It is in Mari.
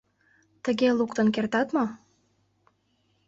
— Тыге луктын кертат мо?